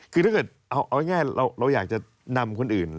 คือถ้าเกิดเอาง่ายเราอยากจะนำคนอื่น